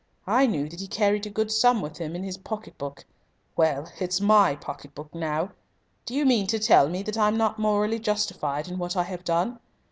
I knew that he carried a good sum with him in his pocket book. Well it's my pocket book now. Do you mean to tell me that I'm not morally justified in what I have done?